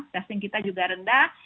testing kita juga rendah